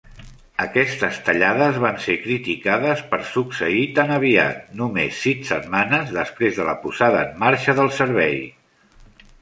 Aquestes tallades van ser criticades per succeir tan aviat, només sis setmanes després de la posada en marxa del servei.